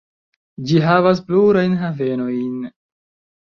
Ĝi havas plurajn havenojn.